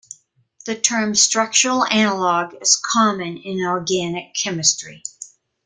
The term "structural analogue" is common in organic chemistry.